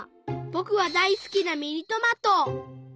ぼくはだいすきなミニトマト。